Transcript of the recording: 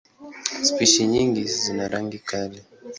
Spishi nyingi zina rangi kali.